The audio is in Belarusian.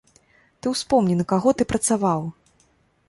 Ты ўспомні, на каго ты працаваў?